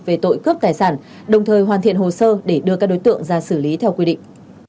về tội cướp tài sản đồng thời hoàn thiện hồ sơ để đưa các đối tượng ra xử lý theo quy định